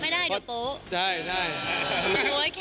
ไม่ได้เดาโต๊ะไม่ได้เดาโต๊ะเฉย